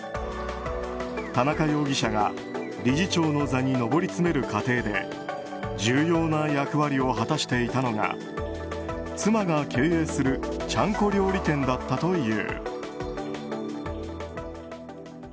田中容疑者が理事長の座に上り詰める過程で重要な役割を果たしていたのが妻が経営するちゃんこ料理店だったという。